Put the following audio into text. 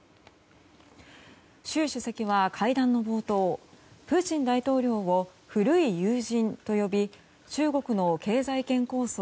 習主席は、会談の冒頭プーチン大統領を古い友人と呼び中国の経済圏構想